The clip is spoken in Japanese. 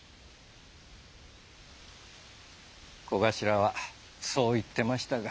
小頭はそう言ってましたが。